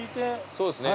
そうですね。